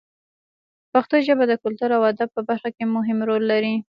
پښتو ژبه د کلتور او ادب په برخه کې مهم رول لري.